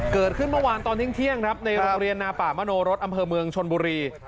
เกิดขึ้นเมื่อวานตอนเที่ยงครับในโรงเรียนนาป่ามโนรสอำเภอเมืองชนบุรี